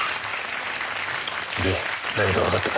で何かわかったか？